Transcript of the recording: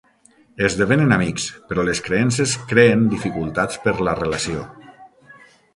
Esdevenen amics, però les creences creen dificultats per la relació.